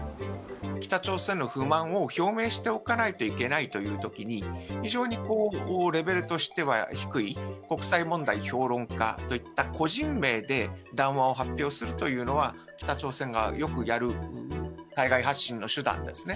北朝鮮の不満を表明しておかないといけないというときに、非常にこう、レベルとしては低い、国際問題評論家といった個人名で談話を発表するというのは、北朝鮮がよくやる海外発信の手段ですね。